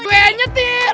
gue yang nyetir